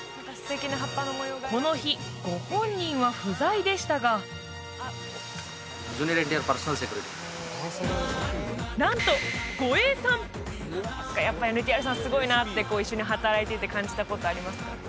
この日ご本人は不在でしたがなんとやっぱＮＴＲさんすごいなって一緒に働いていて感じたことありますか？